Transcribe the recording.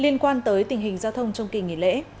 liên quan tới tình hình giao thông trong kỳ nghỉ lễ